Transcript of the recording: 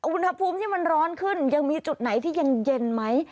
อุณหภูมิที่มันร้อนขึ้นยังมีจุดไหนที่ยังเย็นไหม